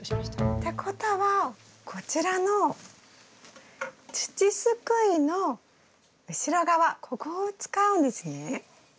ってことはこちらの土すくいの後ろ側ここを使うんですね？